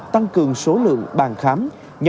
tăng cường số lượng bàn khám